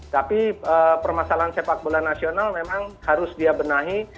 tapi permasalahan sepak bola nasional memang harus dia benahi